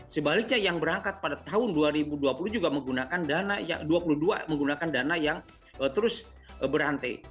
sebaliknya yang berangkat pada tahun dua ribu dua puluh juga menggunakan dana dua puluh dua menggunakan dana yang terus berhenti